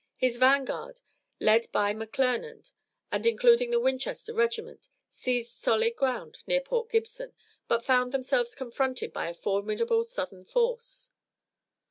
His vanguard, led by McClernand, and including the Winchester regiment, seized solid ground near Port Gibson, but found themselves confronted by a formidable Southern force.